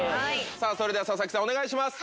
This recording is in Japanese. それでは佐々木さんお願いします。